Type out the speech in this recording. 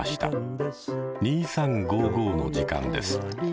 「２３」の時間です。